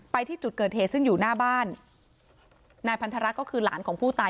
ที่จุดเกิดเหตุซึ่งอยู่หน้าบ้านนายพันธรรคก็คือหลานของผู้ตาย